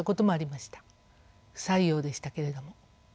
不採用でしたけれども。